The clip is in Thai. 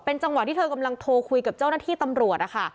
จังหวะที่เธอกำลังโทรคุยกับเจ้าหน้าที่ตำรวจนะคะ